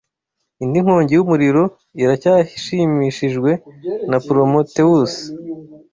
Indi nkongi yumuriro iracyashimishijwe na Prometheus